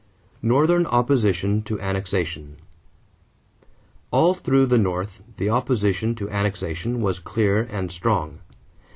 =Northern Opposition to Annexation.= All through the North the opposition to annexation was clear and strong.